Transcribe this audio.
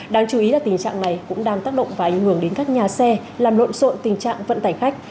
đáng chú ý là tình trạng này cũng đang tác động và ảnh hưởng đến các nhà xe làm lộn xộn tình trạng vận tải khách